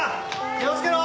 気をつけろ！